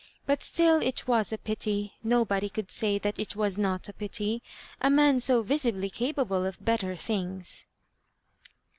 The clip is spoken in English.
But still it was a pity — nobody could say that it was not a pity — a man so visibly capable of better things.